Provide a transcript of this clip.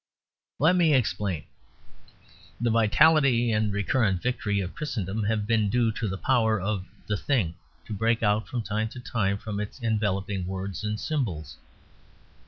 Let me explain. The vitality and recurrent victory of Christendom have been due to the power of the Thing to break out from time to time from its enveloping words and symbols.